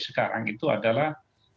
sekarang itu adalah